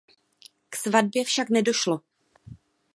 K svatbě však nedošlo.